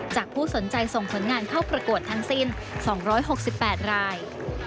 ผู้สนใจส่งผลงานเข้าประกวดทั้งสิ้น๒๖๘ราย